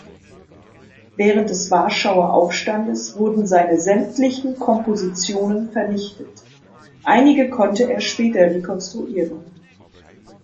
Während des Warschauer Aufstandes wurden seine sämtlichen Kompositionen vernichtet; einige konnte er später rekonstruieren.